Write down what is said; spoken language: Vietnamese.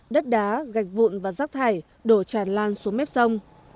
đất đá gạch vụn và rác thải đổ tràn lan xuống mép sông